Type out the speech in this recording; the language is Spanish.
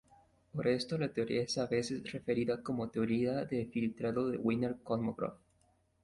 Por esto, la teoría es a veces referida como "teoría de filtrado de Wiener-Kolmogorov".